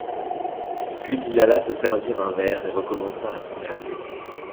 Puis il alla se servir un verre et recommença à s’emmerder.